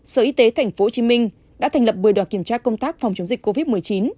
sở y tế tp hcm đã thành lập một mươi đoàn kiểm tra công tác phòng chống dịch covid một mươi chín